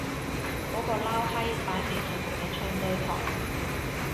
嗰個撈閪擺明係同你唱對台